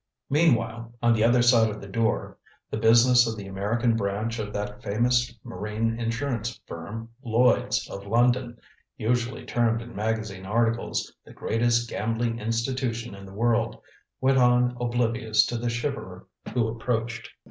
Meanwhile, on the other side of the door, the business of the American branch of that famous marine insurance firm, Lloyds, of London usually termed in magazine articles "The Greatest Gambling Institution in the World" went on oblivious to the shiverer who approached.